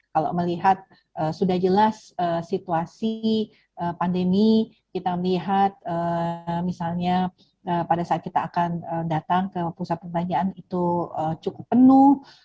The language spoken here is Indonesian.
kalau melihat sudah jelas situasi pandemi kita melihat misalnya pada saat kita akan datang ke pusat perbelanjaan itu cukup penuh